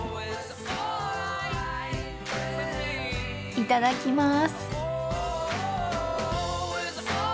いただきます。